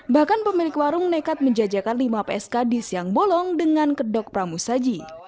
bahkan pemilik warung nekat menjajakan lima psk di siang bolong dengan kedok pramusaji